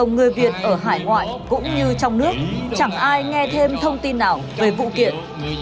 người việt ở hải ngoại cũng như trong nước chẳng ai nghe thêm thông tin nào về vụ kiện